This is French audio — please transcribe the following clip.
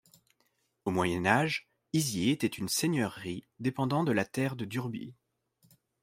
Au Moyen Âge, Izier était une seigneurie dépendant de la Terre de Durbuy.